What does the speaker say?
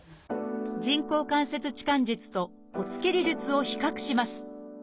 人工関節置換術と骨切り術を比較します。